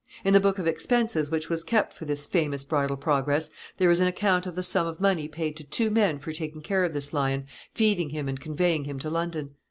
In the book of expenses which was kept for this famous bridal progress, there is an account of the sum of money paid to two men for taking care of this lion, feeding him and conveying him to London.